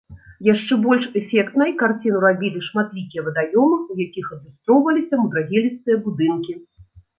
Яшчэ больш эфектнай карціну рабілі шматлікія вадаёмы, у якіх адлюстроўваліся мудрагелістыя будынкі.